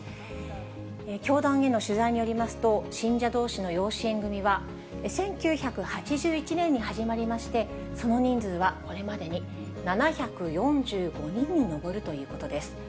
教団への取材によりますと、信者どうしの養子縁組みは、１９８１年に始まりまして、その人数はこれまでに７４５人に上るということです。